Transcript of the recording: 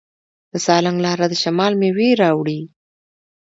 د سالنګ لاره د شمال میوې راوړي.